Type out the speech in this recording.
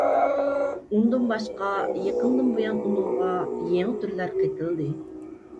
ئۇندىن باشقا يېقىندىن بۇيان ئۇنىڭغا يېڭى تۈرلەر قېتىلدى.